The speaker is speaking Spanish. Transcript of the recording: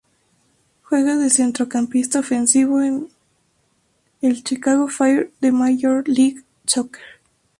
Juega de centrocampista ofensivo en el Chicago Fire de la Major League Soccer.